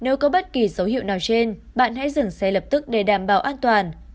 nếu có bất kỳ dấu hiệu nào trên bạn hãy dừng xe lập tức để đảm bảo an toàn